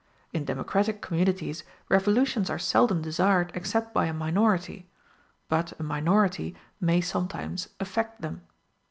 In democratic communities revolutions are seldom desired except by a minority; but a minority may sometimes effect them.